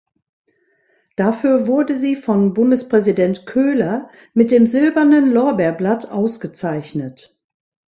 Dafür wurde sie von Bundespräsident Köhler mit dem Silbernen Lorbeerblatt ausgezeichnet.